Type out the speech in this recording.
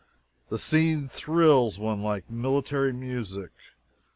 The scene thrills one like military music!